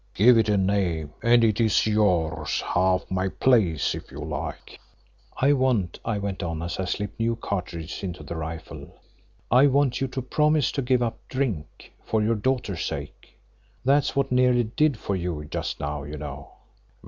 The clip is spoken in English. "Give it a name and it's yours, half my place, if you like." "I want," I went on as I slipped new cartridges into the rifle, "I want you to promise to give up drink for your daughter's sake. That's what nearly did for you just now, you know."